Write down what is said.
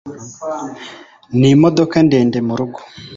nimodoka ndende murugo